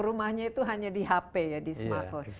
rumahnya itu hanya di hp ya di smartphone